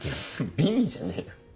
「美味」じゃねえよ。